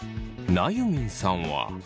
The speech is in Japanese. なゆみんさんは。